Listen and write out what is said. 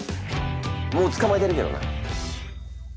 もう捕まえてるけどな。